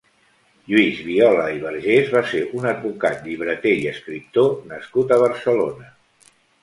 Lluís Viola i Vergés va ser un advocat, llibreter i escriptor nascut a Barcelona.